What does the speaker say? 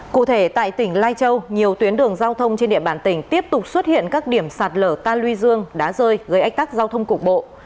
cụ thể tại tỉnh lai châu nhiều tuyến đường giao thông trên địa bàn tỉnh tiếp tục xuất hiện các điểm sạt lở ta luy dương đã rơi gây ách tắc giao thông cục bộ